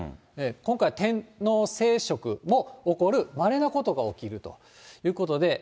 今回、天王星食も起こる、まれなことが起きるということで。